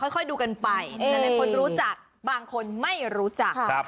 ค่อยดูกันไปหลายคนรู้จักบางคนไม่รู้จัก